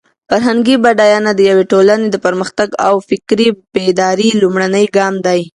فرهنګي بډاینه د یوې ټولنې د پرمختګ او د فکري بیدارۍ لومړنی ګام دی.